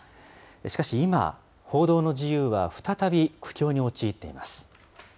しかし今、報道の自由は再び苦境に陥っています。